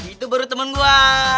itu baru temen gue